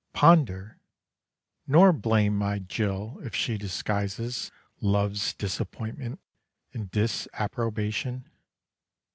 Ponder! Nor blame my Jill if she disguises Love's disappointment in disapprobation.